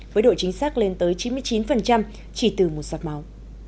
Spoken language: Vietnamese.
với độ chính xác lên tới chín mươi chín chỉ từ một giọt máu